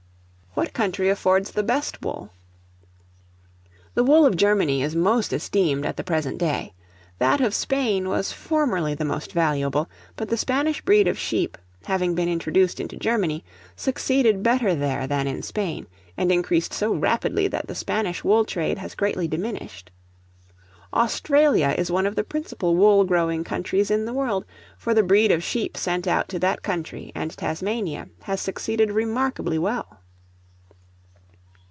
What country affords the best Wool? The wool of Germany is most esteemed at the present day: that of Spain was formerly the most valuable, but the Spanish breed of sheep, having been introduced into Germany, succeeded better there than in Spain, and increased so rapidly, that the Spanish wool trade has greatly diminished. Australia is one of the principal wool growing countries in the world, for the breed of sheep sent out to that country and Tasmania has succeeded remarkably well.